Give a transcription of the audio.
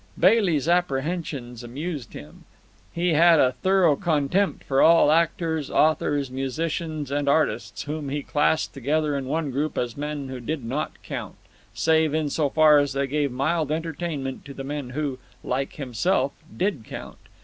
Bailey's apprehensions amused him. He had a thorough contempt for all actors, authors, musicians, and artists, whom he classed together in one group as men who did not count, save in so far as they gave mild entertainment to the men who, like himself, did count.